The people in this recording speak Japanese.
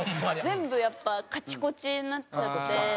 全部やっぱカチコチになっちゃって。